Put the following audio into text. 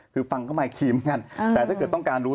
คือฟังก็ไม่คิดเหมือนกันแต่ถ้าเกิดต้องการรู้